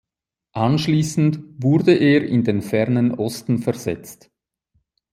Anschließend wurde er in den Fernen Osten versetzt.